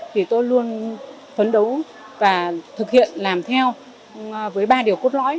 thì tôi luôn phấn đấu và thực hiện làm theo với ba điều cốt lõi